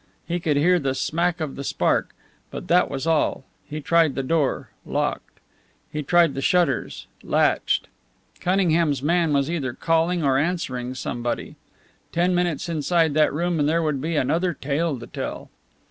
He could hear the smack of the spark, but that was all. He tried the door locked. He tried the shutters latched. Cunningham's man was either calling or answering somebody. Ten minutes inside that room and there would be another tale to tell.